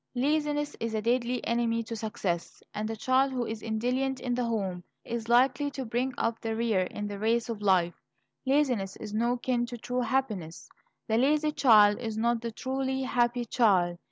Laziness is a deadly enemy to success; and the child who is indolent in the home, is likely to bring up the rear in the race of life. Laziness is no kin to true happiness. The lazy child is not the truly happy child.